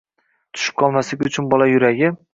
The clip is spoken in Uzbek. tushib qolmasligi uchun bola yuragi